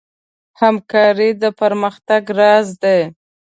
همکاري د پرمختګ راز دی.